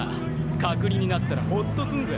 隔離になったらホッとすんぜ。